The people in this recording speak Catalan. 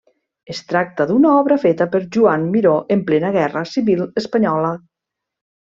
Es tracta d'una obra feta per Joan Miró en plena guerra civil espanyola.